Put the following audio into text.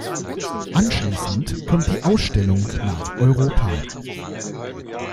Anschließend kommt die Ausstellung nach Europa.